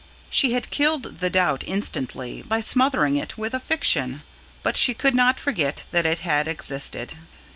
She had killed the doubt, instantly, by smothering it with a fiction; but she could not forget that it had existed.